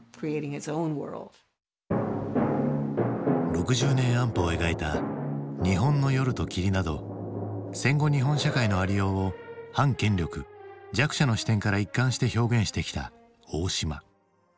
６０年安保を描いた「日本の夜と霧」など戦後の日本社会のありようを反権力弱者の視点から一貫して表現してきた大島。